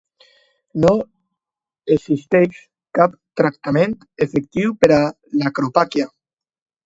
No existeix cap tractament efectiu per a l'acropàquia.